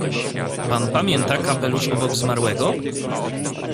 "Pan pamięta kapelusz obok zmarłego?"